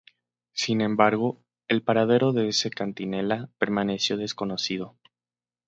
Sin embargo, el paradero de ese Centinela permaneció desconocido.